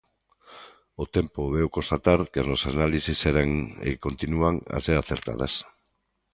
O tempo veu constatar que as nosas análises eran e continúan a ser acertadas.